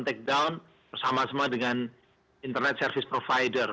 take down bersama sama dengan internet service provider